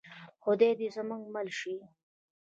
خدای دې زموږ مل شي؟